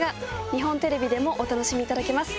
日本テレビでもお楽しみいただけます